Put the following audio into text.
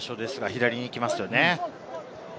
左に行きますね。